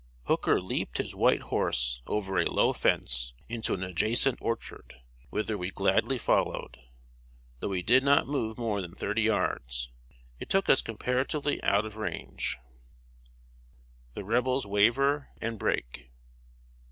Hooker leaped his white horse over a low fence into an adjacent orchard, whither we gladly followed. Though we did not move more than thirty yards, it took us comparatively out of range. [Sidenote: THE REBELS WAVER AND BREAK.